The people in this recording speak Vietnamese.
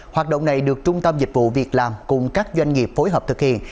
hoạt động này được trung tâm dịch vụ việc làm cùng các doanh nghiệp phối hợp thực hiện